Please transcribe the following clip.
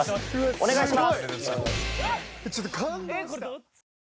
お願いします。